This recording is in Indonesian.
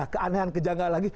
keanehan kejanggaan lagi